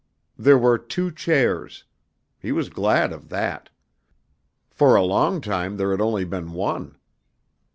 There were two chairs. He was glad of that. For a long time there had been only one.